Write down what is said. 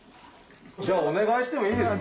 じゃあお願いしてもいいですか？